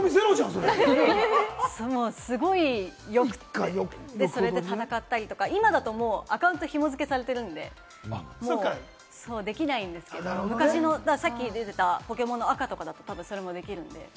それすごい良くて、戦ったりとか、今だったらアカウントがひも付けされてるので、できないんですけれども、昔のさっき出てたポケモンの赤とかだと、それもできるので。